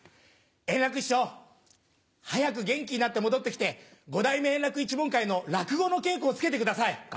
円楽師匠、早く元気になって戻ってきて、五代目円楽一門会の落語の稽古をつけてください。